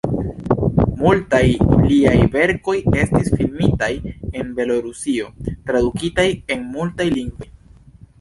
Multaj liaj verkoj estis filmitaj en Belorusio, tradukitaj en multaj lingvoj.